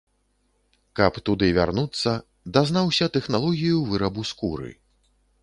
Каб туды вярнуцца, дазнаўся тэхналогію вырабу скуры.